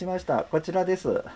こちらです。